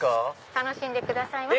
楽しんでくださいませ。